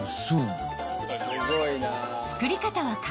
［作り方は簡単］